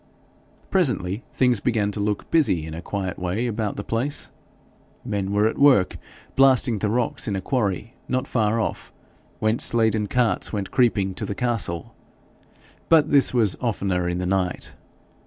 Presently, things began to look busy in a quiet way about the place. Men were at work blasting the rocks in a quarry not far off, whence laden carts went creeping to the castle; but this was oftener in the night.